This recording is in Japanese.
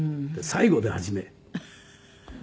最後で初め？